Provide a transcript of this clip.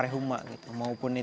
bahasa andalusia kayaknya